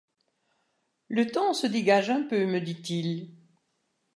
Le temps se dégage un peu, me dit-il.